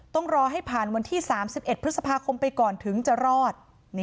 ต้องรอให้ผ่านวันที่๓๑พฤษภาคมไปก่อนถึงจะรอด